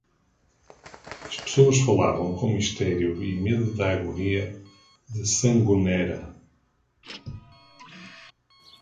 As pessoas falavam com mistério e medo da agonia de Sangonera.